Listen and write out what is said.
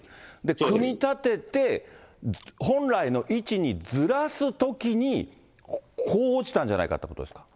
組み立てて、本来の位置にずらすときに、こう落ちたんじゃないかってことですか。